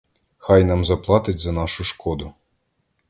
Хай нам заплатить за нашу шкоду!